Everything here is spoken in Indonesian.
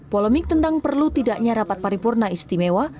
polemik tentang perlu tidaknya rapat paripurna istimewa